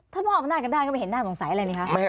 ถ้าพ่ออบน่ากันได้ก็ไม่เห็นหน้าสงสัยอะไรนะครับ